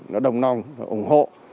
họ đồng nòng ủng hộ